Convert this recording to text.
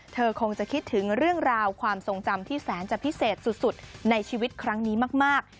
เธอคงจะคิดถึงเรื่องราวความทรงจำที่แสนจะพิเศษสุดในชีวิตครั้งนี้มาก